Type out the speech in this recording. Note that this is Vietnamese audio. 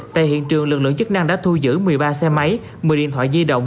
tại hiện trường lực lượng chức năng đã thu giữ một mươi ba xe máy một mươi điện thoại di động